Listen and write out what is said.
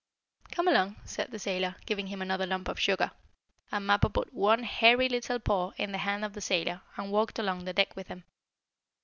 "Come along," said the sailor, giving him another lump of sugar, and Mappo put one hairy little paw in the hand of the sailor, and walked along the deck with him.